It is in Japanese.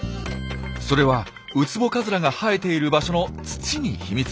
それはウツボカズラが生えている場所の土に秘密があるんです。